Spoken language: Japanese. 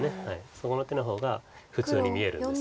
その手の方が普通に見えるんです。